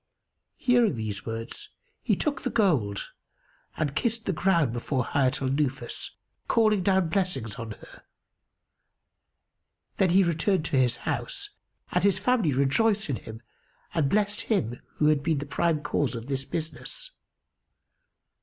Hearing these words he took the gold and kissed the ground before Hayat al Nufus, calling down blessings on her. Then he returned to his house, and his family rejoiced in him and blessed him[FN#285] who had been the prime cause of this business.